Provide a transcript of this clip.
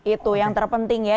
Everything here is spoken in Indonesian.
itu yang terpenting ya